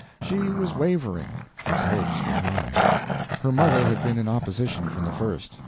She was wavering, his hopes were high. Her mother had been in opposition from the first.